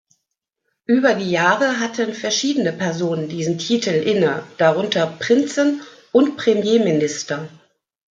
Über die Jahre hatten verschiedene Personen diesen Titel inne, darunter Prinzen und Premierminister.